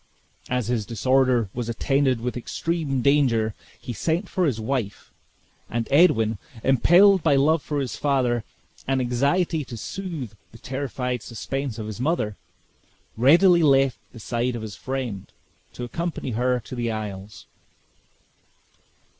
As his disorder was attended with extreme danger, he sent for his wife; and Edwin, impelled by love for his father, and anxiety to soothe the terrified suspense of his mother, readily left the side of his friend, to accompany her to the isles.